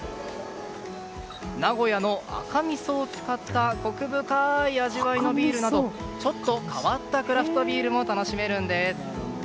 名古屋の赤みそを使った奥深い味わいのビールなどちょっと変わったクラフトビールも楽しめるんです。